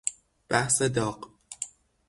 بحث داغ